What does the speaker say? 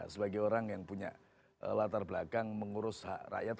sebagai orang yang punya latar belakang mengurus hak rakyat